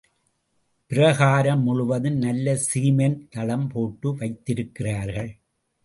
பிராகாரம் முழுவதும் நல்ல சிமெண்ட் தளம் போட்டு வைத்திருக்கிறார்கள்.